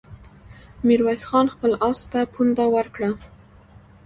ميرويس خان خپل آس ته پونده ورکړه.